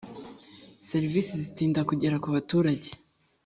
serivisi zitinda kugera ku baturage.